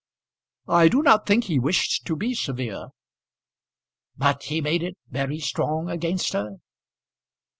"I do not think he wished to be severe." "But he made it very strong against her."